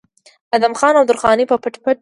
ادم خان او درخانۍ به پټ پټ